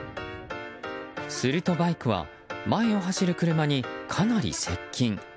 すると、バイクは前を走る車にかなり接近。